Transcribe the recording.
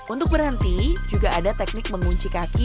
untuk berhenti juga ada teknik mengunci kaki